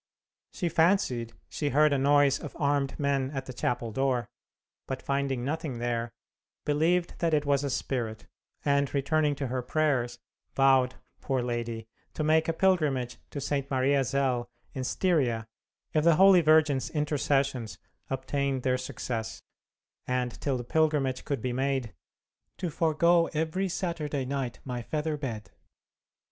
She fancied she heard a noise of armed men at the chapel door, but finding nothing there, believed that it was a spirit, and returning to her prayers, vowed, poor lady, to make a pilgrimage to St. Maria Zell, in Styria, if the Holy Virgin's intercessions obtained their success, and till the pilgrimage could be made, "to forego every Saturday night my feather bed!"